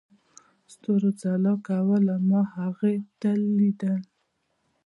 ستورو ځلا کوله، ما هغې ته ليدل.